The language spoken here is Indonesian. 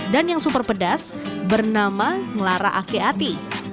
dan yang super pedas bernama ngelara akeati